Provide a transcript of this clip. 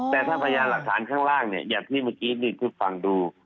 แต่ถ้าพยานหลักฐานข้างล่างเนี่ยอย่างที่เมื่อกี้นี่คือฟังดู